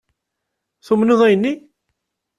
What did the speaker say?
Tumned ayen-nni?